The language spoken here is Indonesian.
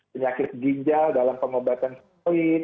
penyakit ginjal dalam pengobatan polit